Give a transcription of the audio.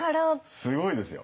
すごいですよ。